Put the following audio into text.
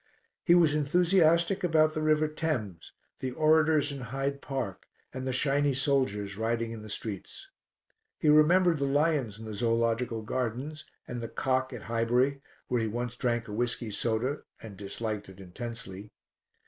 He was enthusiastic about the river Thames, the orators in Hyde Park and the shiny soldiers riding in the streets. He remembered the lions in the Zoological Gardens and the "Cock" at Highbury, where he once drank a whisky soda and disliked it intensely.